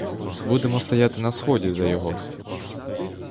Будемо стояти на сході за його!